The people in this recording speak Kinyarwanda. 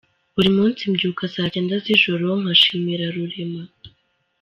Buri munsi mbyuka saa cyenda z'ijoro nka shimira rurema